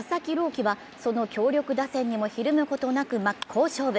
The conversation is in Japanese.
希はその強力打線にもひるむことなく真っ向勝負。